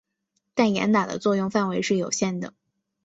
但严打的作用范围是有限的。